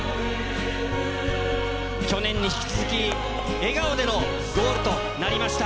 去年に引き続き、笑顔でのゴールとなりました。